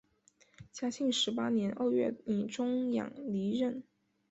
嘉庆十八年二月以终养离任。